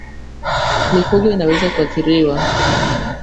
Mifugo inaweza kuathiriwa